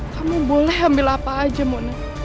kamu boleh ambil apa aja muna